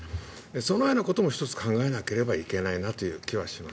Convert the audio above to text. そのようなことも１つ考えなければいけない気がします。